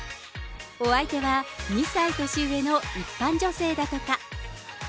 お相手は、２歳年上の一般女性だとか。